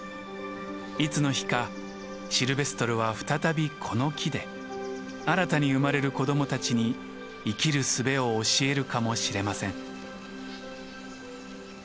いつの日かシルベストルは再びこの木で新たに生まれる子どもたちに生きる術を教えるかもしれません。